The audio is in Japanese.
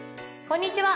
こんにちは。